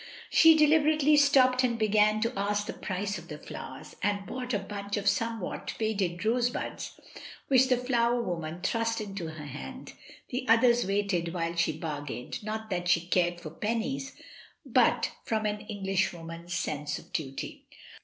She deliberately stopped and began to ask the price of the flowers, and bought a bunch of somewhat faded rosebuds which the flower woman thrust into her hand; the others waited while she bargained, not that she cared for pennies, but from an Englishwoman's sense of duty.